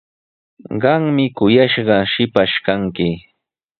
Qami kuyanqaa shipash kanki.